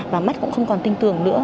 và mắt cũng không còn tinh tưởng nữa